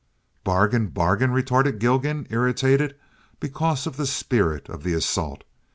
"Bargain! bargain!" retorted Gilgan, irritated because of the spirit of the assault.